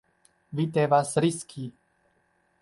Vi devas riski.